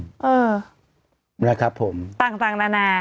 เพียงนี้นะครับผมต่างนานา